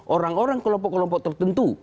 orang orang kelompok kelompok tertentu